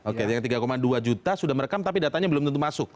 oke yang tiga dua juta sudah merekam tapi datanya belum tentu masuk